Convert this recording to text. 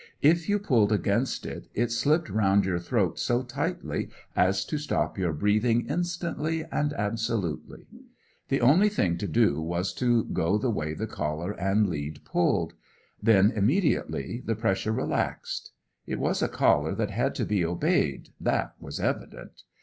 If you pulled against it, it slipped round your throat so tightly as to stop your breathing instantly and absolutely. The only thing to do was to go the way the collar and lead pulled; then, immediately, the pressure relaxed. It was a collar that had to be obeyed, that was evident.